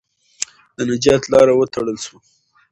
د نجات لاره وتړل سوه.